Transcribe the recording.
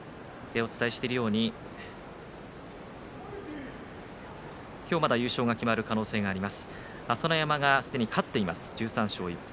お伝えしていますように今日まだ優勝が決まる可能性があります。